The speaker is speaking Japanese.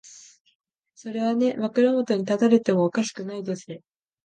それはね、枕元に立たれてもおかしくないですよ。